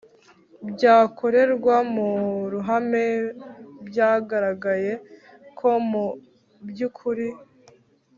bwakorerwa mu ruhame. Byagaragaye ko mu by'ukuri